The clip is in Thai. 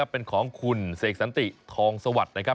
เป็นของคุณเสกสันติทองสวัสดิ์นะครับ